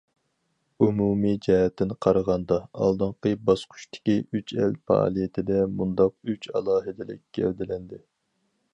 ئومۇمىي جەھەتتىن قارىغاندا، ئالدىنقى باسقۇچتىكى« ئۈچ ئەل» پائالىيىتىدە مۇنداق ئۈچ ئالاھىدىلىك گەۋدىلەندى.